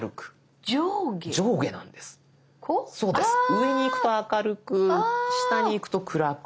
上にいくと明るく下にいくと暗く。